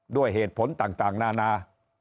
ด้วยเหตุผลต่างนานา